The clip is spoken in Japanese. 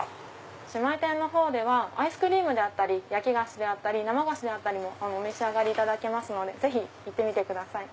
姉妹店のほうではアイスクリームであったり焼き菓子生菓子もお召し上がりいただけますのでぜひ行ってみてください。